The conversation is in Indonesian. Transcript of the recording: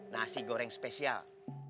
nasi goreng spesial